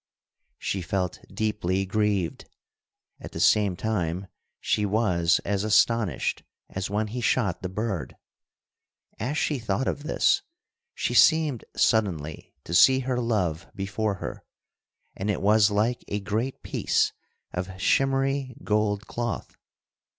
She felt deeply grieved; at the same time she was as astonished as when he shot the bird. As she thought of this, she seemed suddenly to see her love before her; and it was like a great piece of shimmery gold cloth.